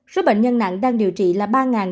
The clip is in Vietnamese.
số bệnh nhân nặng đang điều trị là ba chín trăm sáu mươi